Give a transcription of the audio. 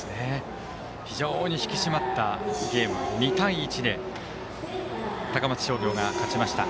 非常に引き締まったゲーム２対１で高松商業が勝ちました。